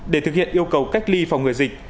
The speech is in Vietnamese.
để thực hiện yêu cầu cách ly phòng ngừa dịch